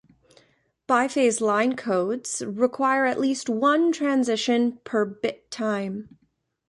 Biphase line codes require at least one transition per bit time.